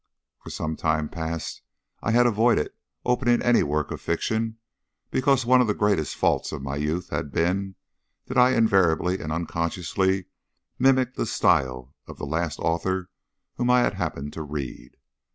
For some time past I had avoided opening any work of fiction because one of the greatest faults of my youth had been that I invariably and unconsciously mimicked the style of the last author whom I had happened to read.